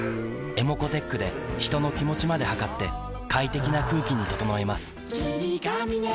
ｅｍｏｃｏーｔｅｃｈで人の気持ちまで測って快適な空気に整えます